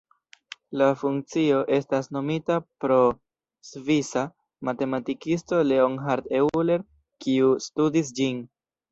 La funkcio estas nomita pro svisa matematikisto Leonhard Euler, kiu studis ĝin.